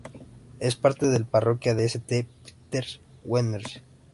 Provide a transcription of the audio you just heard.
Es parte de la parroquia de St Peter's, Guernsey.